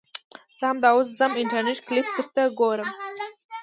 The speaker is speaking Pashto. زه همدا اوس ځم انترنيټ کلپ ته درته ګورم يې .